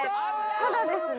ただですね